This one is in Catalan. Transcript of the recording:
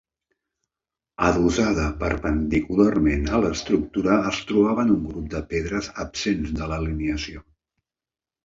Adossada perpendicularment a l'estructura es trobaven un grup de pedres absents d'alineació.